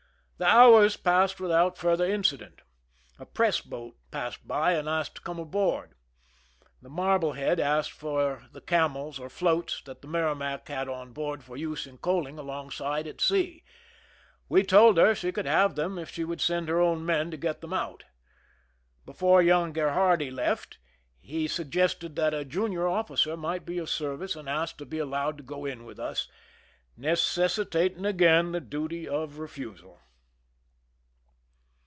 J The hours passed without further incident. A \ press boat passed by and asked to come aboard. I The Marblehead asked for the camels, or floats, that (' the Merrimac had on board for use in coaling along I side at sea. We told her she could have them if I she would send her own men to get them out. Be ) fore young Grherardi left, he suggested that a junior officer might be of service and asked to be allowed to go in witli us, necessitating again the duty of refusal.